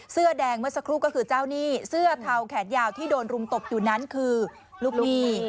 เสื้อแดงเมื่อสักครู่ก็คือเจ้าหนี้เสื้อเทาแขนยาวที่โดนรุมตบอยู่นั้นคือลูกหนี้